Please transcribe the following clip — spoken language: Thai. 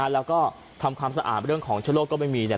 แล้วก็ทำความสะอาดเรื่องของเชื้อโรคก็ไม่มีเนี่ย